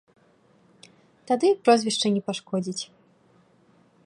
Тады і прозвішча не пашкодзіць.